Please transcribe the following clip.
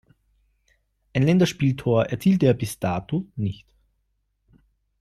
Ein Länderspieltor erzielte er bis dato nicht.